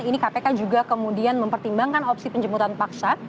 ini kpk juga kemudian mempertimbangkan opsi penjemputan paksa